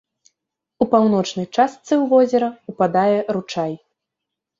У паўночнай частцы ў возера ўпадае ручай.